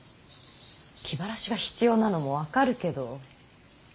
気晴らしが必要なのも分かるけど。